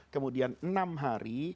kemudian enam hari